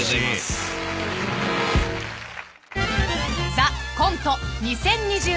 ［『ＴＨＥＣＯＮＴＥ』２０２３夏］